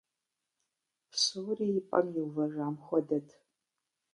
Псори и пӏэм иувэжам хуэдэт.